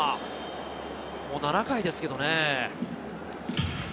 ７回ですけどね。